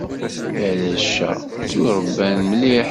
Arrac-a ttuṛebban mliḥ.